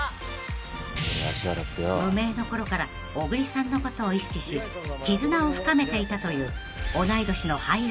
［無名のころから小栗さんのことを意識し絆を深めていたという同い年の俳優仲間］